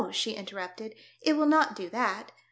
she interrupted, "it will not do that.